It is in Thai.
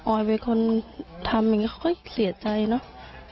อยเป็นคนทำอย่างนี้เขาก็เสียใจเนอะ